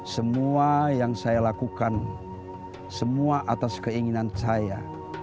semua yang saya lakukan semua atas keinginan saya